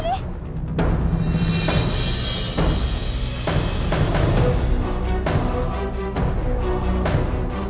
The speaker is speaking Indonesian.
mona aku buruk dulu completed dia